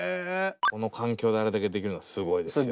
この環境であれだけできるのはすごいですわ。